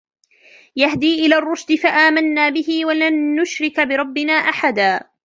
يَهْدِي إِلَى الرُّشْدِ فَآمَنَّا بِهِ وَلَنْ نُشْرِكَ بِرَبِّنَا أَحَدًا